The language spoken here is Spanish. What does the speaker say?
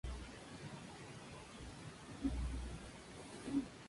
Algunas provincias que tienen comunas son Córdoba, Chubut, Santa Fe y Tucumán.